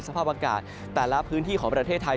สภาพอากาศแต่ละพื้นที่ของประเทศไทย